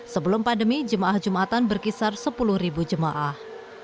sebelum pandemi jemaah jumatan berkisar sepuluh jemaah